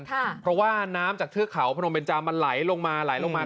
เพราะว่าน้ำจากเทือกเขาพนมเบนจามันไหลลงมาไหลลงมา